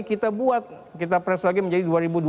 kita buat kita pres lagi menjadi dua ribu dua puluh empat